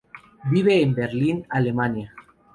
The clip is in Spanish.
Viven en Berlín, Alemania.